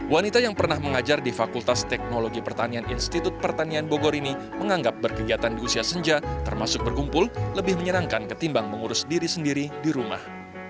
wanita yang pernah mengajar di fakultas teknologi pertanian institut pertanian bogor ini menganggap berkegiatan di usia senja termasuk berkumpul lebih menyerangkan ketimbang mengurus diri sendiri di rumah